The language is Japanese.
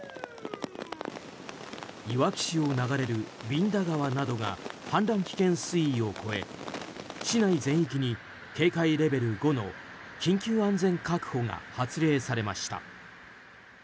いわき市を流れる蛭田川などが氾濫危険水位を超え市内全域に警戒レベル５の緊急安全確保が発令されました。